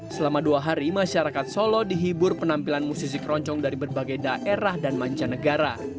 selama dua hari masyarakat solo dihibur penampilan musisi keroncong dari berbagai daerah dan mancanegara